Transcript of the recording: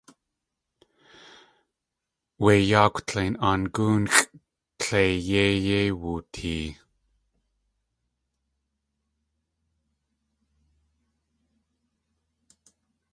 Wé yaakw tlein Aangóonxʼ tleiyéi yéi wootee.